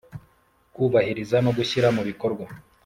Kubahiriza no gushyira mu bikorwa